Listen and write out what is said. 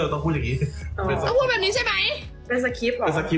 หนูก็ตามจากพี่เก่งไง